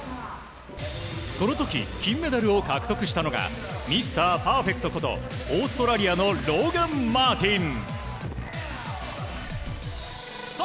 この時、金メダルを獲得したのがミスターパーフェクトことオーストラリアのローガン・マーティン。